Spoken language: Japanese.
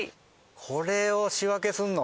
これを仕分けするの？